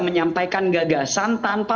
menyampaikan gagasan tanpa